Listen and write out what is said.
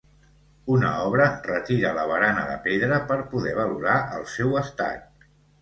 Una obra retira la barana de pedra per poder valorar el seu estat.